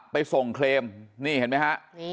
ไปส่งเคลมนี่เห็นไหมฮะ